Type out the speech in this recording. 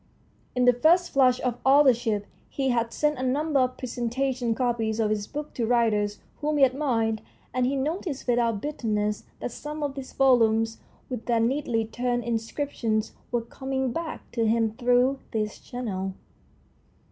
In the first flush of authorship he had sent a number of presen tation copies of his book to writers whom he admired, and he noticed without bitter ness that some of these volumes with their neatly turned inscriptions were coming back 142 THE STORY OF A BOOK to him through this channel.